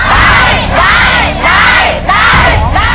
ได้ได้ได้ได้ได้